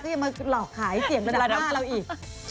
ก็จะอย่ามาหลอกหายเสียงประดับหน้าเราอีก